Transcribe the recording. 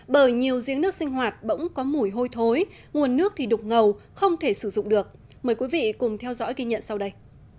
bởi nhiều giếng nước sinh hoạt bỗng có mùi hôi thối nguồn nước thì đục ngầu không thể sử dụng được mời quý vị cùng theo dõi ghi nhận sau đây